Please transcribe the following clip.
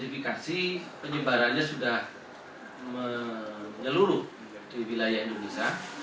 identifikasi penyebarannya sudah menyeluruh di wilayah indonesia